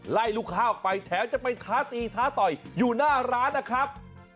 ลูกข้าวออกไปแถมจะไปท้าตีท้าต่อยอยู่หน้าร้านนะครับ